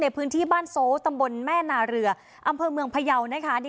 ในพื้นที่บ้านโซสตรถแม่นาเรืออำเคิงเมืองพะเยาว์นะคะ